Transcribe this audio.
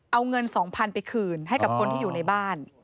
เอาเงิน๒๐๐๐ไปคืนให้กับคนที่อยู่ในบ้าน